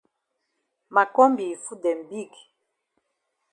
Ma kombi yi foot dem big.